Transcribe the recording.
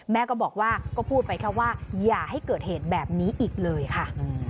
แม่ก็บอกว่าก็พูดไปแค่ว่าอย่าให้เกิดเหตุแบบนี้อีกเลยค่ะ